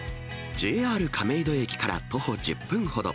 ＪＲ亀戸駅から徒歩１０分ほど。